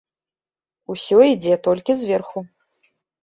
Усё ідзе толькі зверху.